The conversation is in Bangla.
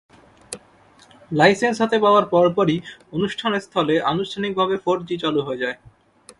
লাইসেন্স হাতে পাওয়ার পরপরই অনুষ্ঠানস্থলে আনুষ্ঠানিকভাবে ফোর জি চালু হয়ে যায়।